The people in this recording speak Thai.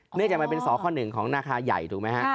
เนื่องจากมันเป็นสข้อหนึ่งของนาคาใหญ่ถูกไหมฮะ